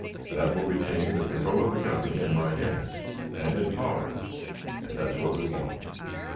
That will retain the control of the company in my hands, and in Pollard's, and that is what we want."